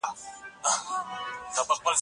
افغانستان څنګه د سویلي اسیا د بازارونو سره نښلي؟